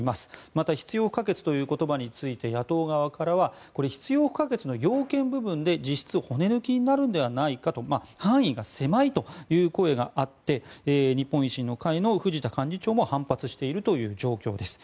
また、必要不可欠という言葉について野党側からは必要不可欠の要件部分で実質骨抜きになるんじゃないかと範囲が狭いという声があって日本維新の会の藤田幹事長も反発しているという状況です。